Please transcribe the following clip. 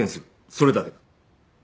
それだけだ。